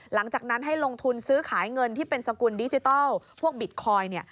หลังจากนั้นให้ลงทุนซื้อขายเงินที่เป็นสกุลดิจิทัลพวกบิตคอยน์